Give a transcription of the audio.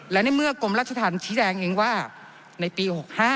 และในเมื่อกลมรสชธัณฑ์ชิแดงเองว่าในปี๖๕